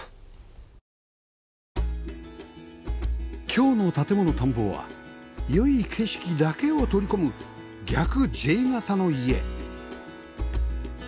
今日の『建もの探訪』は良い景色だけを取り込む「逆 Ｊ 形」の家